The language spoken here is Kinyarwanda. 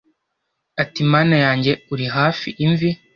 ati mana yanjye, uri hafi imvi